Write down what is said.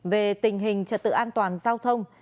về tình hình trật tự an toàn giao thông